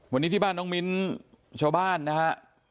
วันนี้ที่บ้านน้องมิ้นชาวบ้านนะฮะ